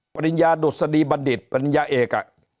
ปริญญาดุษฎีบัณฑิตปริญญาเอก